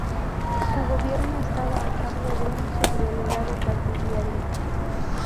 Su gobierno estaba a cargo de un subdelegado partidario.